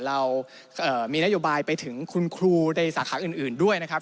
เรามีนโยบายไปถึงคุณครูในสาขาอื่นด้วยนะครับ